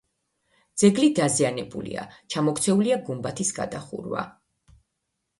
ძეგლი დაზიანებულია, ჩამოქცეულია გუმბათის გადახურვა.